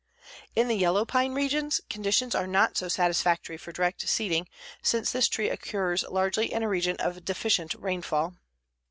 In the yellow pine regions conditions are not so satisfactory for direct seeding, since this tree occurs largely in a region of deficient rainfall.